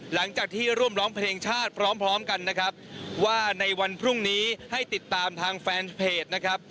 หลังจากที่ร่วมร้องเพลงชาติพร้อมพร้อมกันนะครับว่าในวันพรุ่งนี้ให้ติดตามทางแฟนเพจนะครับ